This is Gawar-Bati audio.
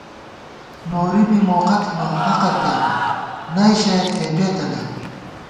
نوری بی موقہ تھنہ ، حقہ پیانہ ، نئ شَیَہ تھېپېتہ نئ